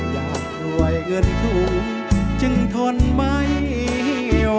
อยากรวยเงินถุงจึงทนไม่ไหว